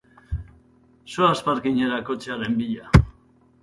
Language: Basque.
Zoaz parkingera kotxearen bila.